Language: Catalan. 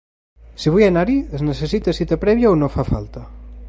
Si vull anar-hi es necessita cita prèvia o no fa falta?